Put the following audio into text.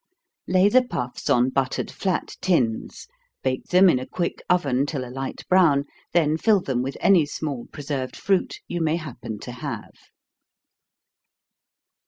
Lay the puffs on buttered flat tins bake them in a quick oven till a light brown, then fill them with any small preserved fruit you may happen to have.